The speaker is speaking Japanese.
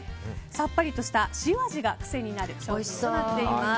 さっぱりとした塩味が癖になる商品となっています。